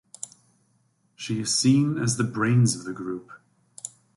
She is seen as the brains of the group.